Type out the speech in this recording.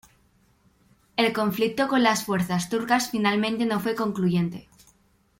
El conflicto con las fuerzas turcas finalmente no fue concluyente.